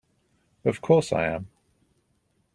Of course I am!